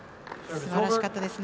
すばらしかったですね